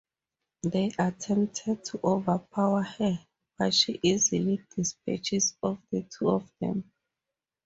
They attempted to overpower her, but she easily dispatches of the two of them.